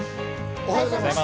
おはようございます。